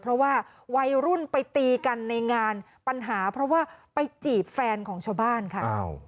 เพราะว่าวัยรุ่นไปตีกันในงานปัญหาเพราะว่าไปจีบแฟนของชาวบ้านค่ะ